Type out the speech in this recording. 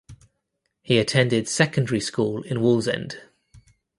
He attended secondary school in Wallsend.